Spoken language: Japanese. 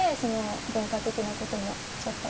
文化的なこともちょっと。